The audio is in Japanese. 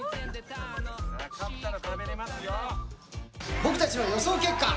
僕たちの予想結果。